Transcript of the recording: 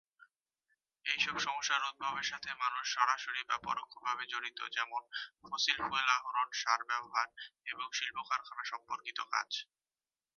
এইসব সমস্যার উদ্ভবের সাথে মানুষ সরাসরি বা পরোক্ষভাবে জড়িত যেমন ফসিল ফুয়েল আহরণ, সার ব্যবহার এবং শিল্প কারখানা সম্পর্কিত কাজ।